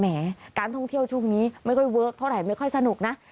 การท่องเที่ยวช่วงนี้ไม่ค่อยเวิร์คเท่าไหร่ไม่ค่อยสนุกนะ